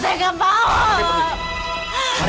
saya gak mau masuk penjara